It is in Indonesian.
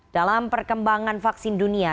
dalam perkembangan vaksin dunia